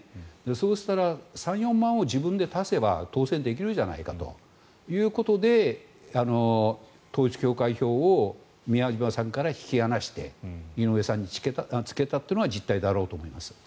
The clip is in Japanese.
そうしたら３４万を自分で足せば当選できるじゃないかということで統一教会票を宮島さんから引き離して井上さんにつけたというのが実態だろうと思います。